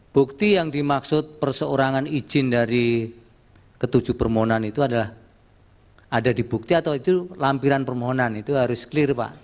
bukti yang dimaksud perseorangan izin dari ketujuh permohonan itu adalah ada di bukti atau itu lampiran permohonan itu harus clear pak